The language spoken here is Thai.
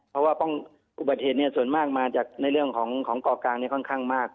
เพราะว่าอุบัติเหตุส่วนมากมาจากในเรื่องของเกาะกลางค่อนข้างมาก